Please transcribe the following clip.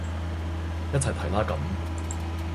一齊睇啦咁